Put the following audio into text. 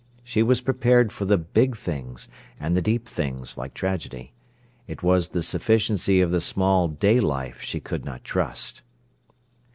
She was prepared for the big things and the deep things, like tragedy. It was the sufficiency of the small day life she could not trust.